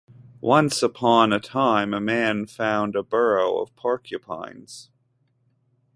Once upon a time, a man found a burrow of porcupines.